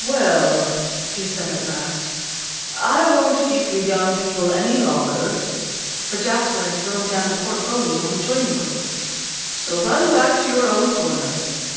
"Well," he said at last, "I won't keep you young people any longer," for Jasper had thrown down the portfolio and joined the group, "so run back to your own corner.